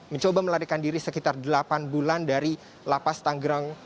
mencoba melarikan diri sekitar delapan bulan dari lapas tanggerang